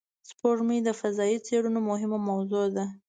سپوږمۍ د فضایي څېړنو مهمه موضوع ده